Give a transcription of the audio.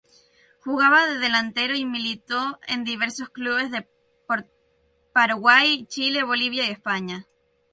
Jugaba de delantero y militó en diversos clubes de Paraguay, Chile, Bolivia y España.